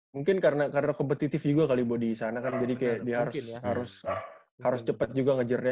mungkin karena kompetitif juga kali buat di sana kan jadi kayak dia harus cepat juga ngejarnya